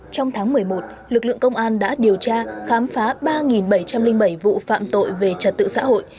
trong tháng một mươi một lực lượng công an đã điều tra khám phá ba bảy trăm linh bảy vụ phạm tội về trật tự xã hội